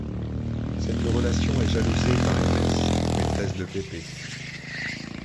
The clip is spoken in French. Cette relation est jalousée par Inès, maîtresse de Pépé.